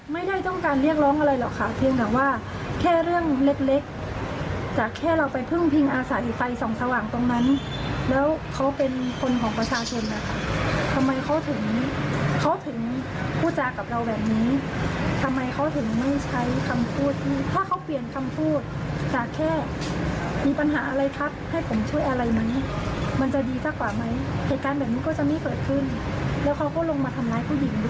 เขาถึงพูดจากับเราแบบนี้ทำไมเขาถึงไม่ใช้คำพูดที่ถ้าเขาเปลี่ยนคำพูดแต่แค่มีปัญหาอะไรครับให้ผมช่วยอะไรมั้ยมันจะดีกว่าไหมเหตุการณ์แบบนี้ก็จะไม่เกิดขึ้นแล้วเขาก็ลงมาทำร้ายผู้หญิงด้วย